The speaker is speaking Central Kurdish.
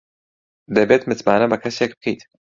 دەبێت متمانە بە کەسێک بکەیت.